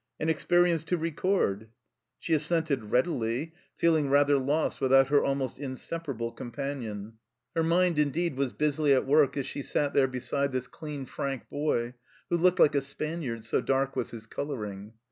" An experience to record !" She assented readily, 56 THE CELLAR HOUSE OF PERVYSE feeling rather lost without her almost inseparable companion. Her mind, indeed, was busily at work as she sat there beside this clean frank boy, who looked like a Spaniard, so dark was his colouring.